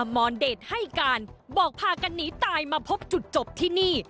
มอนเดชให้การบอกพากันหนีตายมาพบจุดจบที่นี่